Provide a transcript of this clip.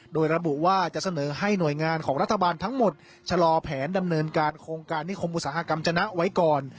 โดยระบุว่าจะเสนอให้หน่วยงานของรัฐบาลทั้งหมดชะลอแผนดำเนินการโครงการนิคมอุตสาหกรรมจนะไว้ก่อน